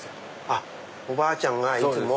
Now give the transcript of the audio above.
あっおばあちゃんがいつも。